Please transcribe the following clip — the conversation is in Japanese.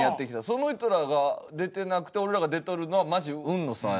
その人らが出てなくて俺らが出とるのはマジ運の差やなっていう。